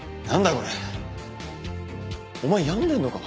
これお前病んでんのか？